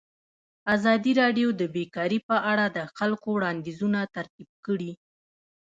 ازادي راډیو د بیکاري په اړه د خلکو وړاندیزونه ترتیب کړي.